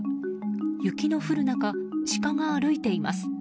雪の降る中、シカが歩いています。